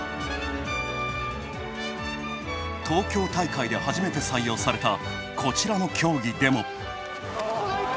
東京大会で初めて採用されたこちらの競技でも。